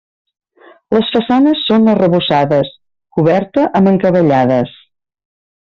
Les façanes són arrebossades, coberta amb encavallades.